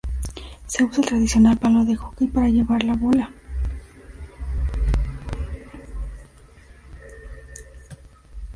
Se usa el tradicional palo de "hockey" para llevar la bola.